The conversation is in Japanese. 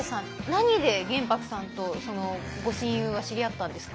何で玄白さんとそのご親友は知り合ったんですか？